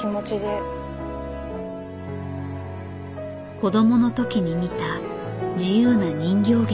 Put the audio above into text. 子どもの時に見た自由な人形劇。